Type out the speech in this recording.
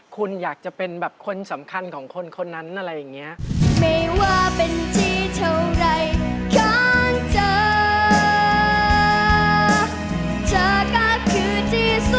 คุณอยากจะเป็นแบบคนสำคัญของคนคนนั้นอะไรอย่างนี้